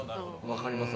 分かります